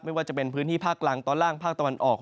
ไม่ว่าจะเป็นพื้นที่ภาคกลางตอนล่างภาคตะวันออก